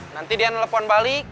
nanti dia ngelepon balik